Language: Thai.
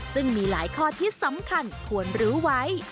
ซึ่งมีหลายข้อที่สำคัญควรรู้ไว้